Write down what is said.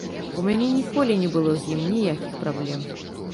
У мяне ніколі не было з ім ніякіх праблем.